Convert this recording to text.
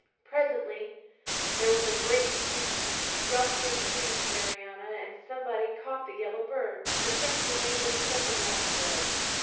Presently there was a great confusion, rough hands seized Marianna, and somebody caught the yellow bird. The Prince remained insensible on the bed.